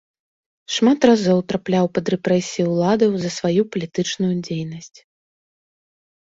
Шмат разоў трапляў пад рэпрэсіі ўладаў за сваю палітычную дзейнасць.